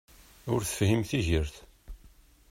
Ur tefhim tigert!